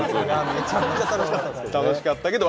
めちゃくちゃ楽しかったですけどね。